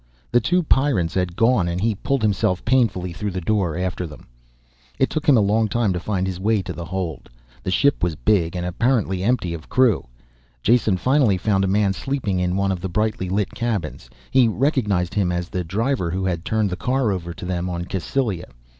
The two Pyrrans had gone and he pulled himself painfully through the door after them. It took him a long time to find his way to the hold. The ship was big and apparently empty of crew. Jason finally found a man sleeping in one of the brightly lit cabins. He recognized him as the driver who had turned the car over to them on Cassylia.